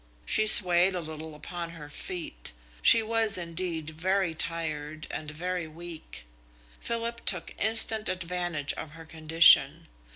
She swayed a little upon her feet she was indeed very tired and very weak. Philip took instant advantage of her condition.